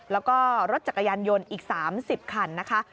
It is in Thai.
แล้วก็รถจักรยานยนต์อีก๓๐คันนะคะ